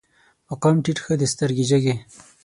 مقام ټيټ ښه دی، سترګې جګې